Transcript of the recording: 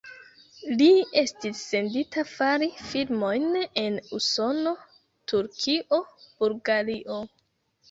Li estis sendita fari filmojn en Usono, Turkio, Bulgario.